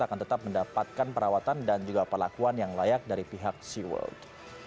akan tetap mendapatkan perawatan dan juga pelakuan yang layak dari pihak seaworld